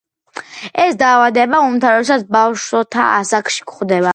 ეს დაავადება უმთავრესად ბავშვთა ასაკში გვხვდება.